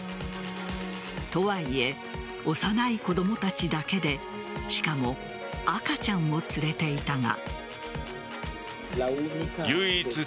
とはいえ、幼い子供たちだけでしかも赤ちゃんを連れていたが。